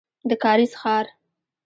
د کارېز ښار.